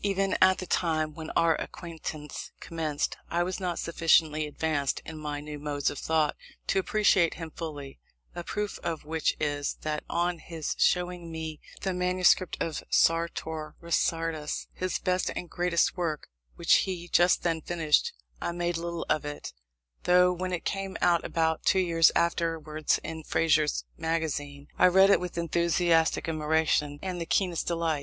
Even at the time when our acquaintance commenced, I was not sufficiently advanced in my new modes of thought to appreciate him fully; a proof of which is, that on his showing me the manuscript of Sartor Resartus, his best and greatest work, which he just then finished, I made little of it; though when it came out about two years afterwards in Fraser's Magazine I read it with enthusiastic admiration and the keenest delight.